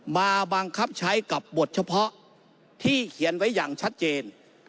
มาบังคับใช้กับบทเฉพาะที่เขียนไว้อย่างชัดเจน